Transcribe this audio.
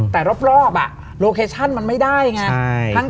แต่รอบโลเคชั่นมันไม่ได้ไง